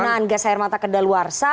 kemudian penggunaan gas air mata ke daluarsa